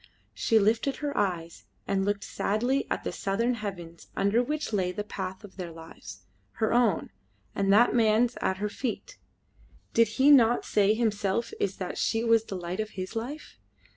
She lifted her eyes and looked sadly at the southern heavens under which lay the path of their lives her own, and that man's at her feet. Did he not say himself is that she was the light of his life?